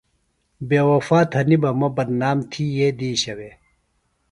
بے وفا تھنیۡ بہ مہ بدنام تھیئے دیشہ وے۔